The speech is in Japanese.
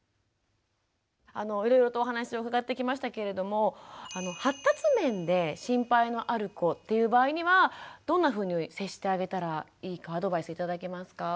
いろいろとお話を伺ってきましたけれども発達面で心配のある子っていう場合にはどんなふうに接してあげたらいいかアドバイス頂けますか。